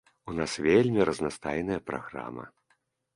У нас вельмі разнастайная праграма.